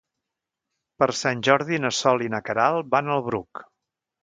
Per Sant Jordi na Sol i na Queralt van al Bruc.